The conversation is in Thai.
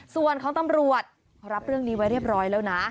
ส่วนของตำรวจเขารับเรื่องนี้ไว้เรียบร้อยแล้วนะ